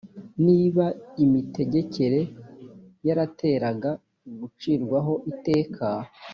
niba imitegekere yateraga gucirwa ho iteka